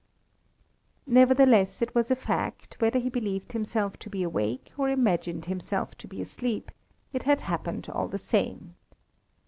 Nevertheless, it was a fact, whether he believed himself to be awake or imagined himself to be asleep, it had happened all the same.